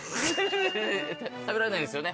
食べられないんですよね。